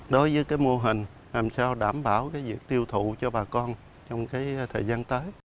đối với mô hình làm sao đảm bảo việc tiêu thụ cho bà con trong thời gian tới